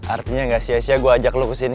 artinya gak sia sia gue ajak lo kesini